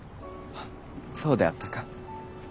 そうであったか。